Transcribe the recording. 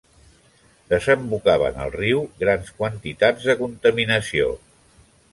Desembocaven al riu grans quantitats de contaminació.